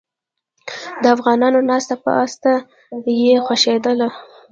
د افغانانو ناسته پاسته یې خوښیدله.